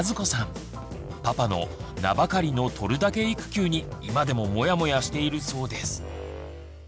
パパの「名ばかりの取るだけ育休」に今でもモヤモヤしているそうです。